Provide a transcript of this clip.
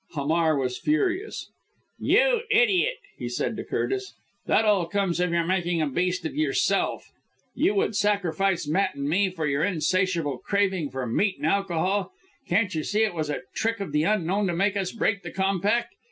Hamar was furious. "You idiot!" he said to Curtis, "that all comes of your making a beast of yourself you would sacrifice Matt and me, for your insatiable craving for meat and alcohol. Can't you see it was a trick of the Unknown to make us break the compact?